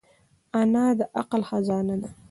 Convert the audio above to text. انا د عقل خزانه ده